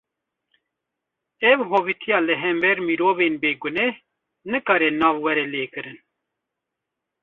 Ev hovîtiya li hember mirovên bêguneh, nikare nav were lê kirin